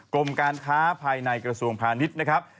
กรมการค้าภายในกระทรวงพาณิชย์นะครับ